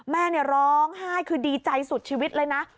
แม่ร้องไห้คือดีใจสุดชีวิตเลยนะ